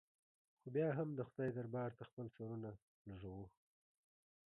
خو بیا هم د خدای دربار ته خپل سرونه لږوو.